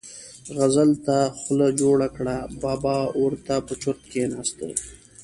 غزل ته خوله جوړه کړه، بابا ور ته په چرت کېناست.